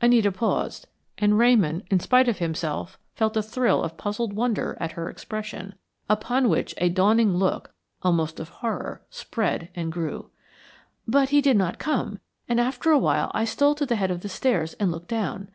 Anita paused, and Ramon, in spite of himself, felt a thrill of puzzled wonder at her expression, upon which a dawning look, almost of horror, spread and grew. "But he did not come, and after a while I stole to the head of the stairs and looked down.